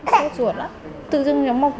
có nổi nhiều nốt quấy khóc